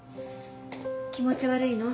気持ち悪いの？